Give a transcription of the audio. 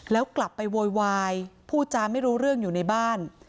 แล้วกลับไปโวยวายพูดจาไม่รู้เรื่องอยู่ในบ้าน